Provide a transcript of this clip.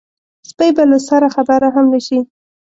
سپۍ به له سره خبره هم نه شي.